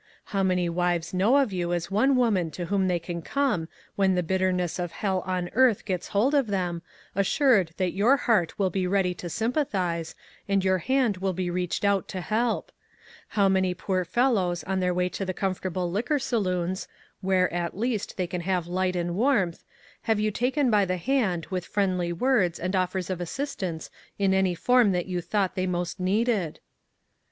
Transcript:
How many wives know of you as one woman to whom IO8 ONE COMMONPLACE DAY. they can come when the bitterness of hell on earth gets hold of them, assured that your heart will be ready to sympathize, and your hand will be reached out to help? How many poor fellows on their way to the comfortable liquor saloons, where, at least, they can have light arid warmth, have you taken by the hand with friendly words and offers of assistance in any form that you thought they most needed